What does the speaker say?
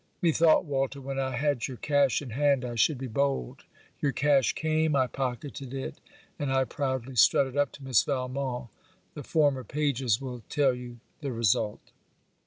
Methought, Walter, when I had your cash in hand I should be bold. Your cash came; I pocketed it; and I proudly strutted up to Miss Valmont. The former pages will tell you the result.